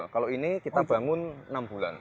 kalau ini kita bangun enam bulan